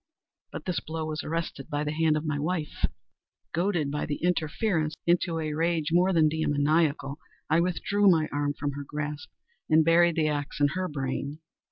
But this blow was arrested by the hand of my wife. Goaded, by the interference, into a rage more than demoniacal, I withdrew my arm from her grasp and buried the axe in her brain.